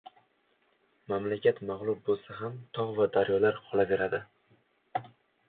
• Mamlakat mag‘lub bo‘lsa ham tog‘ va daryolar qolaveradi.